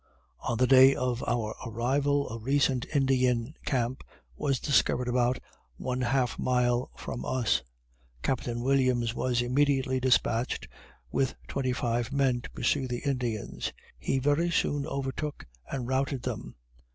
"On the day of our arrival a recent Indian camp was discovered about one half mile from us. Captain Williams was immediately despatched, with twenty five men, to pursue the Indians. He very soon overtook and routed them.